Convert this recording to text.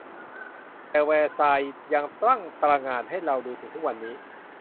แต่แวร์ซายน์ยังตั้งตระหง่านให้เราดูถึงทุกวันนี้